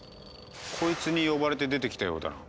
こいつに呼ばれて出てきたようだな。